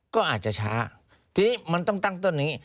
ก็อาจจะช้าทีนี้มันต้องตั้งต้นอย่างนี้